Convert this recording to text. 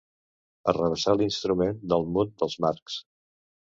Arrabassar l'instrument del mut dels Marx.